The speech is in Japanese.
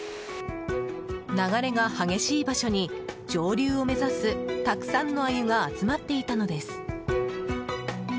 流れが激しい場所に上流を目指すたくさんのアユが集まっていたのです。